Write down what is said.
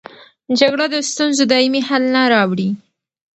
جګړه د ستونزو دایمي حل نه راوړي.